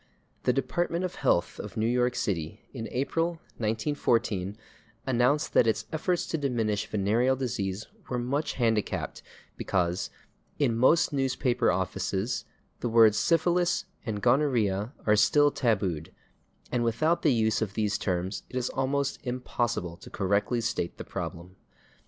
The Department of Health of New York City, in April, 1914, announced that its efforts to diminish venereal disease were much handicapped because "in most newspaper offices the words /syphilis/ and /gonorrhea/ are still tabooed, and without the use of these terms it is almost impossible to correctly state the problem."